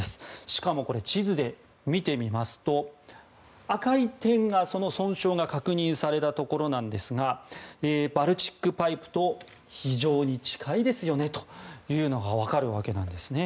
しかも地図で見てみますと赤い点が、その損傷が確認されたところなんですがバルチック・パイプと非常に近いというのが分かるわけなんですね。